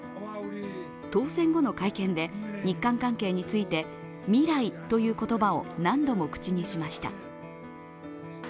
当選後の会見で、日韓関係について「未来」という言葉を何度も口にしました。